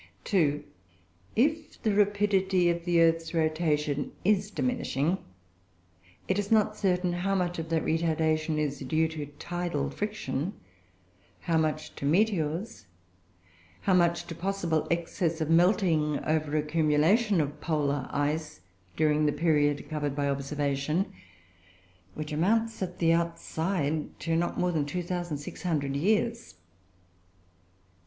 If the rapidity of the earth's rotation is diminishing, it is not certain how much of that retardation is due to tidal friction, how much to meteors, how much to possible excess of melting over accumulation of polar ice, during the period covered by observation, which amounts, at the outside, to not more than 2,600 years.